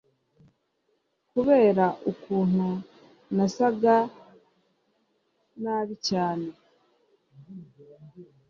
kubera ukuntu nasaga nabicyane